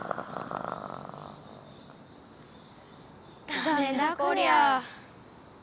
ダメだこりゃ。